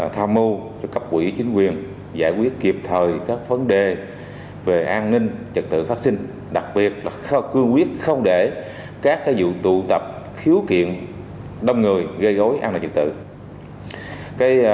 tham mưu cho cấp quỹ chính quyền giải quyết kịp thời các vấn đề về an ninh trật tự phát sinh đặc biệt là cương quyết không để các vụ tụ tập khiếu kiện đông người gây gối an ninh dịch tự